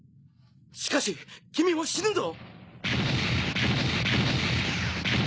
しかし君も死ぬぞ。